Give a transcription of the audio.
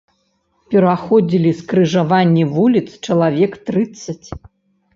Пераходзілі скрыжаванні вуліц чалавек трыццаць.